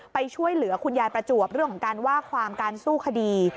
ไปช่วยเหลือคุณยายประจวบเรื่องของการว่าความการสู้คดี